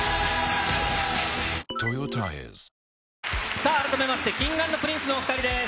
さあ、改めまして、Ｋｉｎｇ＆Ｐｒｉｎｃｅのお２人です。